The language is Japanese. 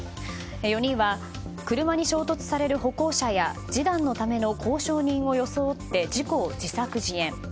４人は車に衝突される歩行者や示談のための交渉人を装って事故を自作自演。